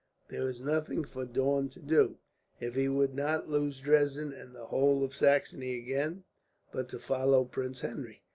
There was nothing for Daun to do, if he would not lose Dresden and the whole of Saxony again, but to follow Prince Henry.